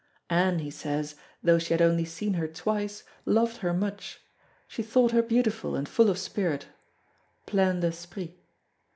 Anne, he says, though she had only seen her twice loved her much; she thought her beautiful and full of spirit ("pleine d'esprit.")